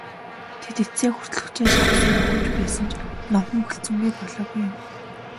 Тэд эцсээ хүртэл хүчээ шавхсаар үхэж байсан ч номхон хүлцэнгүй болоогүй юм.